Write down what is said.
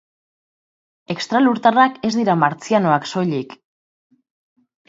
Extralurtarrak ez dira martzianoak soilik.